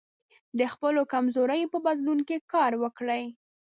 د خپلو کمزوریو په بدلون کار وکړئ.